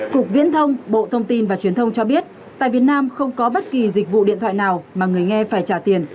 cục viễn thông bộ thông tin và truyền thông cho biết tại việt nam không có bất kỳ dịch vụ điện thoại nào mà người nghe phải trả tiền